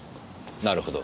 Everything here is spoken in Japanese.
なるほど。